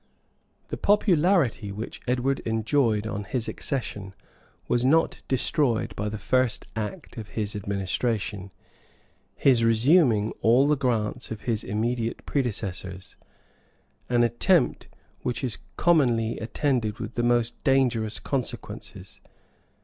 ] The popularity which Edward enjoyed on his accession was not destroyed by the first act of his administration, his resuming all the grants of his immediate predecessors; an attempt which is commonly attended with the most dangerous consequences.